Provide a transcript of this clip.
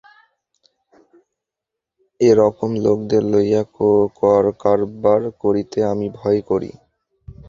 এরকম লোকদের লইয়া কারবার করিতে আমি ভয় করি।